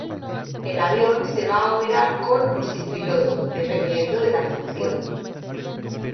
El avión se va a operar con o sin piloto, dependiendo de la función.